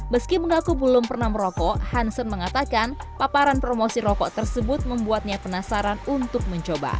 meski mengaku belum pernah merokok hansen mengatakan paparan promosi rokok tersebut membuatnya penasaran untuk mencoba